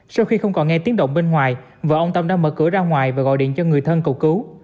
sau khi không còn nghe tiếng động bên ngoài vợ ông tâm đã mở cửa ra ngoài và gọi điện cho người thân cầu cứu